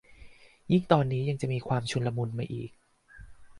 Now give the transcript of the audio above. ยิ่งตอนนี้ยังจะมีความชุลมุนมาอีก